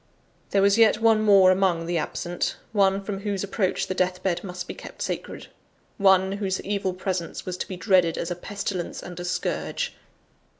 (There was yet one more among the absent one from whose approach the death bed must be kept sacred; one, whose evil presence was to be dreaded as a pestilence and a scourge.